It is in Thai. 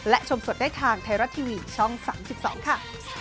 และชมสดได้ทางไทยรัฐทีวีช่อง๓๒ค่ะ